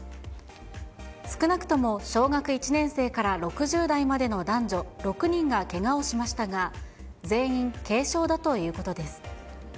少なくとも小学１年生から６０代までの男女６人がけがをしましたが、全員軽傷だということです。